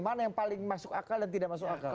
mana yang paling masuk akal dan tidak masuk akal